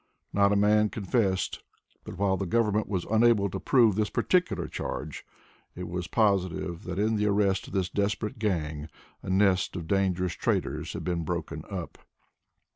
Not a man confessed, but while the government was unable to prove this particular charge, it was positive that in the arrest of this desperate gang a nest of dangerous traitors had been broken up.